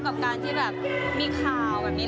กับการที่แบบมีข่าวกันดี